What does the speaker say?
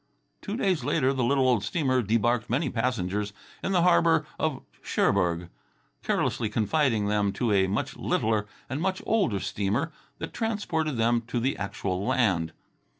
Two days later the little old steamer debarked many passengers in the harbour of Cherbourg, carelessly confiding them to a much littler and much older steamer that transported them to the actual land.